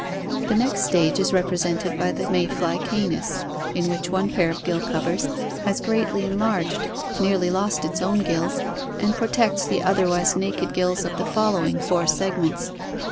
The next stage is represented by the May fly Ccenis, in which one pair of gill covers has greatly en larged, nearly lost its own gills, and protects the otherwise naked gills of the following four segments.